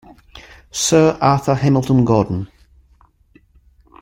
Sir Arthur Hamilton-Gordon.